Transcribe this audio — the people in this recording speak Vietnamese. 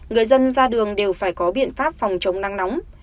người dân ra đường đều phải có biện pháp phòng chống nắng nóng